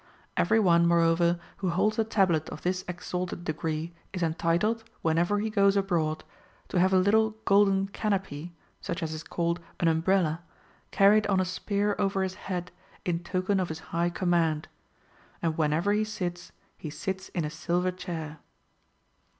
^ Every one, moreover, who holds a tablet of this exalted degree is entitled, whenever he goes abroad, to have a little golden canopy, such as is called an umbrella, carried on a spear over his head in token of his high command. And whenever he sits, he sits in a silver chair.